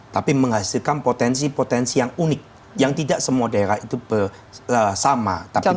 tapi menghasilkan potensi potensi yang unik yang tidak semua daerah itu sama